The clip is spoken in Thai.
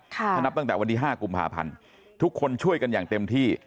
ถ้านับตั้งแต่วันที่๕กุมภาพันธ์ทุกคนช่วยกันอย่างเต็มที่